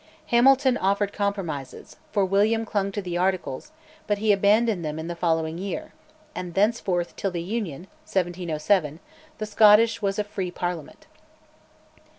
Hamilton offered compromises, for William clung to "the Articles"; but he abandoned them in the following year, and thenceforth till the Union (1707) the Scottish was "a Free Parliament."